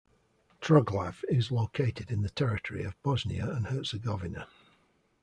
Troglav is located in the territory of Bosnia and Herzegovina.